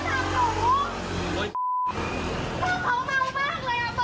เล่นหนึ่งครั้งหนึ่งดีครับผมไม่ไหว